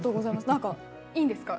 何かいいんですか？